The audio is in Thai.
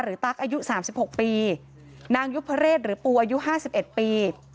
หรือตักอายุสามสิบหกปีนางยุภรรษหรือปูอายุห้าสิบเอ็ดปี